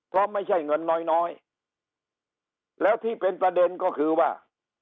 เพราะไม่ใช่เงินน้อยน้อยแล้วที่เป็นประเด็นก็คือว่า